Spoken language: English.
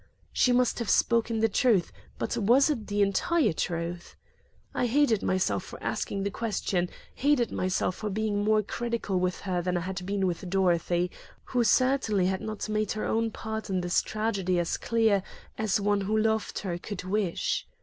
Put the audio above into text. She must have spoken the truth, but was it the entire truth? I hated myself for asking the question; hated myself for being more critical with her than I had been with Dorothy, who certainly had not made her own part in this tragedy as clear as one who loved her could wish.